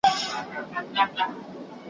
ویل خدای دي عوض درکړي ملاجانه ,